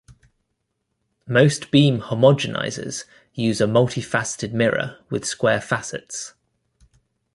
Most beam homogenizers use a multifaceted mirror with square facets.